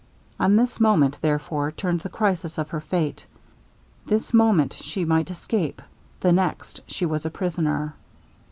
On this moment, therefore, turned the crisis of her fate! this moment she might escape the next she was a prisoner.